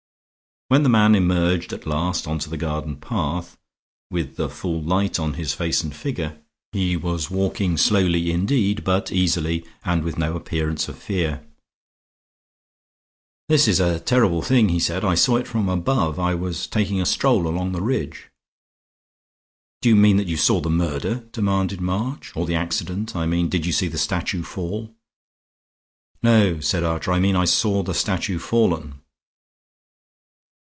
When the man emerged at last on to the garden path, with the full light on his face and figure, he was walking slowly indeed, but easily, and with no appearance of fear. "This is a terrible thing," he said. "I saw it from above; I was taking a stroll along the ridge." "Do you mean that you saw the murder?" demanded March, "or the accident? I mean did you see the statue fall?" "No," said Archer, "I mean I saw the statue fallen."